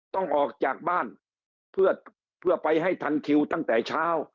ต้องออกจากบ้านเพื่อไปให้ทันคิวตั้งแต่เช้า